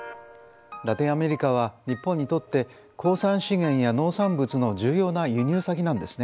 ラテンアメリカは日本にとって鉱産資源や農産物の重要な輸入先なんですね。